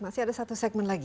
masih ada satu segmen lagi